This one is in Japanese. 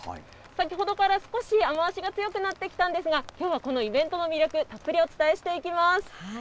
先ほどから少し雨足が強くなってきたんですが、きょうはこのイベントの魅力、たっぷりお伝えしていきます。